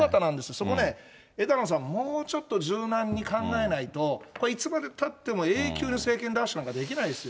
そこね、枝野さん、もうちょっと柔軟に考えないと、これ、いつまでたっても永久に政権奪取なんかできないですよ。